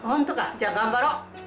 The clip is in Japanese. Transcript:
じゃあ頑張ろう。